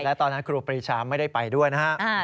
และตอนนั้นครูปรีชาไม่ได้ไปด้วยนะฮะ